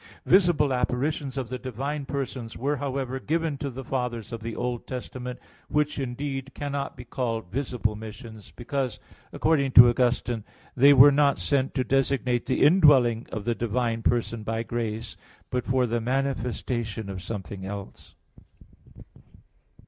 Visible apparitions of the divine persons were, however, given to the Fathers of the Old Testament which, indeed, cannot be called visible missions; because, according to Augustine (De Trin. ii, 17), they were not sent to designate the indwelling of the divine person by grace, but for the manifestation of something else.